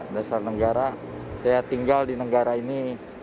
dasar negara saya tinggal di negara ini